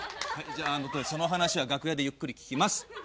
じゃあその話は楽屋で聞きます。